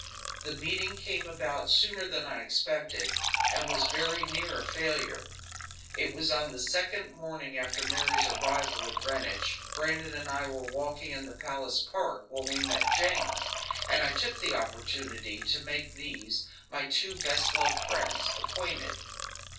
The meeting came about sooner than I expected, and was very near a failure. It was on the second morning after Mary's arrival at Greenwich. Brandon and I were walking in the palace park when we met Jane, and I took the opportunity to make these, my two best loved friends, acquainted.